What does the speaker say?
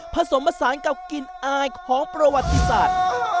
ผสมผสานกับกลิ่นอายของประวัติศาสตร์